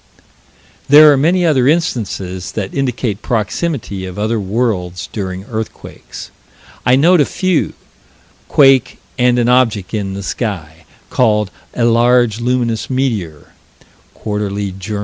There are many other instances that indicate proximity of other world's during earthquakes. I note a few quake and an object in the sky, called "a large, luminous meteor" (_Quar. Jour.